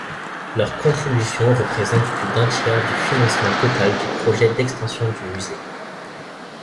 Leur contribution représente plus d’un tiers du financement total du projet d’extension du Musée.